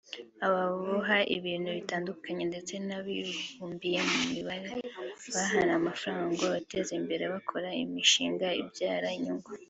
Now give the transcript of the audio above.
ababoha ibintu bitandukanye ndetse n’abibumbiye mu bimina bahana mafaranga ngo biteze imbere bakora imishinga ibyara inyungu